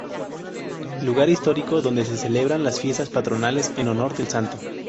Lugar histórico donde se celebraban las Fiestas Patronales en honor del Santo.